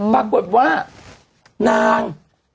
ปรากฏว่านาง